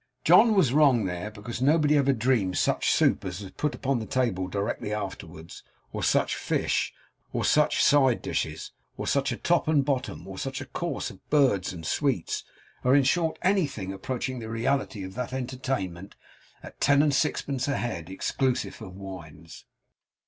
John was wrong there, because nobody ever dreamed such soup as was put upon the table directly afterwards; or such fish; or such side dishes; or such a top and bottom; or such a course of birds and sweets; or in short anything approaching the reality of that entertainment at ten and sixpence a head, exclusive of wines.